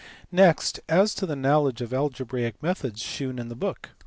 Next, as to the knowledge of algebraic methods shewn in the book.